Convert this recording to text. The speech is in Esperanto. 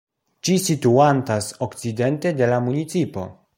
Ĝi situantas okcidente de la municipo.